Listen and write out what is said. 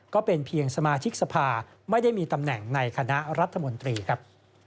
ก็เป็นเพียงสมาชิกสภาไม่ได้มีตำแหน่งในคณะรัฐมนตรีครับ